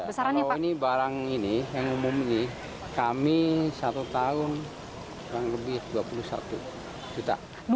kalau ini barang ini yang umum ini kami satu tahun kurang lebih dua puluh satu juta